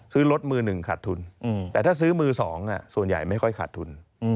ซื้อรถมือหนึ่งขาดทุนแต่ถ้าซื้อมือสองส่วนใหญ่ไม่ค่อยขาดทุน